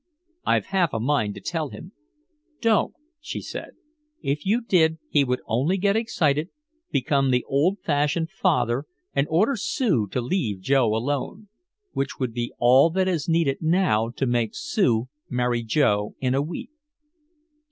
"I've half a mind to tell him!" "Don't," she said. "If you did he would only get excited, become the old fashioned father and order Sue to leave Joe alone which would be all that is needed now to make Sue marry Joe in a week."